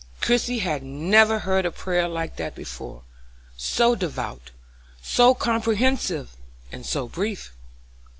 Christie had never heard a prayer like that before; so devout, so comprehensive, and so brief.